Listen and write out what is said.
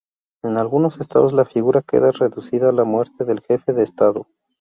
En algunos Estados la figura queda reducida a la muerte del jefe de Estado.